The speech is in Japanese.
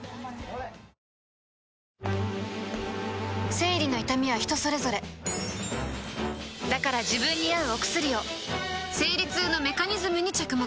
生理の痛みは人それぞれだから自分に合うお薬を生理痛のメカニズムに着目